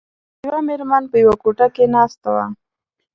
یوه میرمن په یوه کوټه کې ناسته وه.